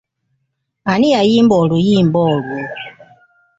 Ani yayimba oluyimba olwo?